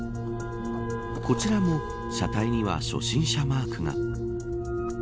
こちらも車体には初心者マークが。